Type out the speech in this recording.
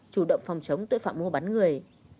chủ động phòng chống tội phạm mua bán người